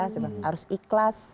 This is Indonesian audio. sebenarnya harus ikhlas